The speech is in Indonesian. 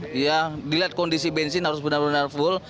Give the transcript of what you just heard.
dia dilihat kondisi bensin harus benar benar full